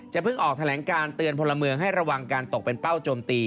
เพิ่งออกแถลงการเตือนพลเมืองให้ระวังการตกเป็นเป้าโจมตี